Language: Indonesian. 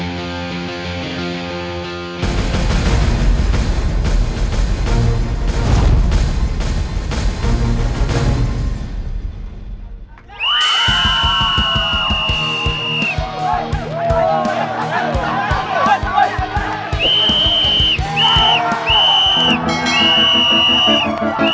masa faktanya processed